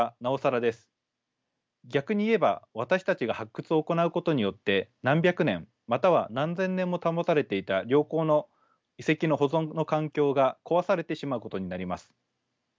逆に言えば私たちが発掘を行うことによって何百年または何千年も保たれていた良好の遺跡の保存の環境が壊されてしまうことになります。